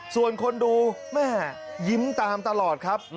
ส่วนคนดูแม่ยิ้มตามตลอดครับ